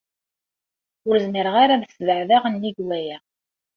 Ur zmireɣ ara ad sbeɛdeɣ nnig waya.